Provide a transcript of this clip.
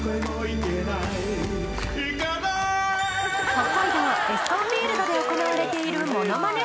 北海道エスコンフィールドで行われているモノマネ